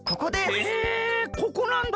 へえここなんだ。